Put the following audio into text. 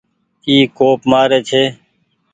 اي ڪوپ مآري ڇي۔